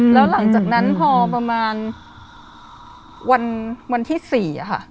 แล้วหลังจากนั้นพอประมาณวันที่๔ค่ะ